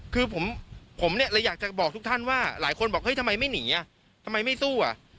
คือผมเนี่ยเลยอยากจะบอกทุกท่านว่าหลายคนบอกเฮ้ยทำไมไม่หนีอ่ะทำไมไม่สู้อ่ะ